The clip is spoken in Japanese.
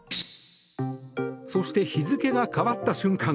そして、日付が変わった瞬間